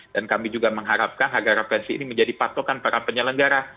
kami juga mengharapkan agar referensi ini menjadi patokan para penyelenggara